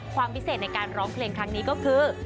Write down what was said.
ความพิเศษในการร้องเพลงครั้งนี้ก็คือ